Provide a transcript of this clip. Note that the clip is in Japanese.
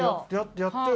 やってよ。